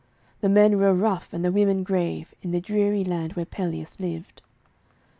The men were rough and the women grave in the dreary land where Pelleas lived.